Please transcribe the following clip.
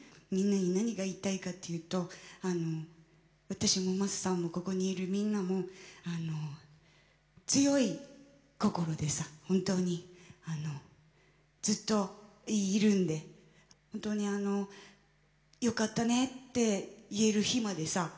みんなに何が言いたいかっていうと私もマサさんもここにいるみんなも強い心でさ本当にずっといるんで本当に「よかったね」って言える日までさ